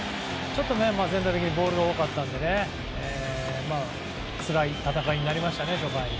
全体的にボールが多かったのでつらい戦いになりましたね。